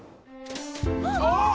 あっ。